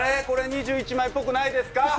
これ２１枚っぽくないですか？